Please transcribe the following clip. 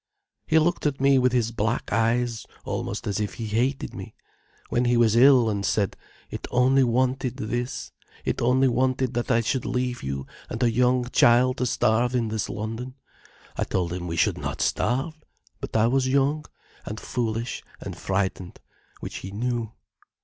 "He looked at me with his black eyes, almost as if he hated me, when he was ill, and said, 'It only wanted this. It only wanted that I should leave you and a young child to starve in this London.' I told him we should not starve. But I was young, and foolish, and frightened, which he knew.